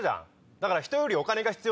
だからひとよりお金が必要。